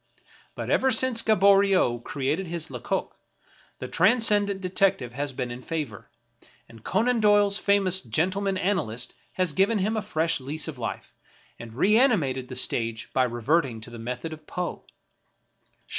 But ever since Gaboriau created his Lecoq, the transcendant detective has been in favor ; and Conan Doyle's famous gentleman analyst has given him a fresh lease of life, and reanimated the stage by reverting to the method of Poe.